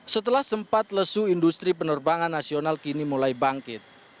setelah sempat lesu industri penerbangan nasional kini mulai bangkit